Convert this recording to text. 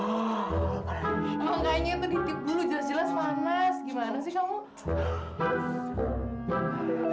makanya itu ditipu lu jelas jelas panas gimana sih kamu